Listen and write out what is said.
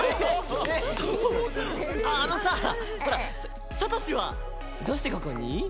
あのさほらサトシはどうしてここに？